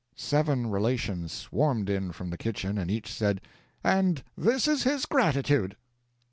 Seven relations swarmed in from the kitchen and each said, "And this is his gratitude!"